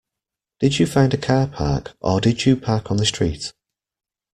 Did you find a car park, or did you park on the street?